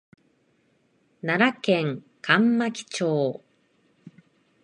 奈良県上牧町